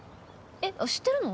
えっあっ知ってるの？